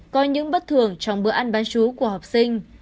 có những bất thường trong bữa ăn bán chú của học sinh